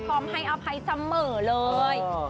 ความให้อภัยเสมอเลยเออ